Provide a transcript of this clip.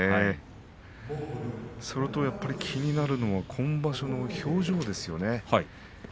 それと気になるのは今場所の表情ですね。